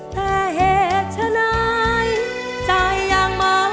แต่เหตุฉันไหนใจยังไม่จำ